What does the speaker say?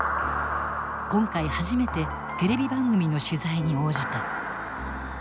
今回初めてテレビ番組の取材に応じた。